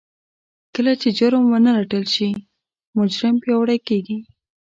کله چې جرم ونه رټل شي مجرم پياوړی کېږي.